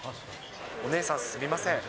お姉さん、すみません。